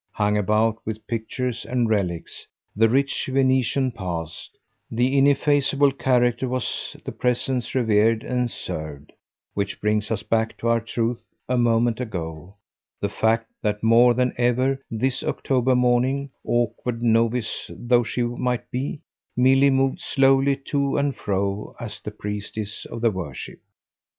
Hung about with pictures and relics, the rich Venetian past, the ineffaceable character, was here the presence revered and served: which brings us back to our truth of a moment ago the fact that, more than ever, this October morning, awkward novice though she might be, Milly moved slowly to and fro as the priestess of the worship.